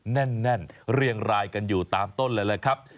แน่นเรียงรายกันอยู่ตามต้นเลยแหละครับ